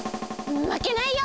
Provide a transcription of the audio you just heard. まけないよ！